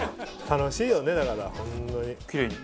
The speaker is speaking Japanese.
楽しいよねだから本当に。